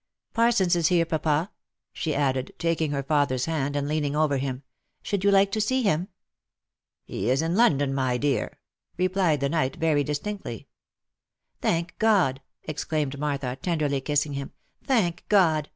— Parsons is here, papa," she added, taking her father's hand, and leaning over him —" should you like to see him ?" "He is in London, my dear," replied the knight very distinctly. " Thank God !" exclaimed Martha, tenderly kissing him —" Thank God